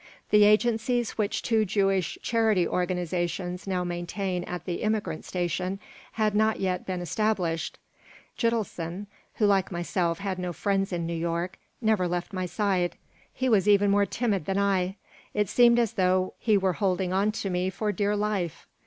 The agencies which two Jewish charity organizations now maintain at the Immigrant Station had not yet been established. Gitelson, who like myself had no friends in New York, never left my side. He was even more timid than I. It seemed as though he were holding on to me for dear life.